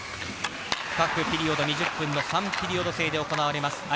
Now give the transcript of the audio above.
各ピリオド２０分の３ピリオド制で行われます。